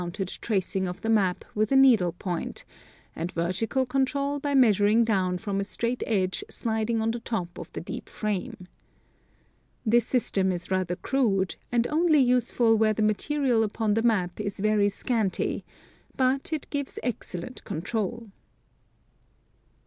unted tracing of the map with a needle point, and vertical control by measuring down from a straight edge sliding on the top of the deep frame. This system is rather crude, and onl}' useful where the material upon the map is very scanty, but it gives excellent control. Topograjphio Models.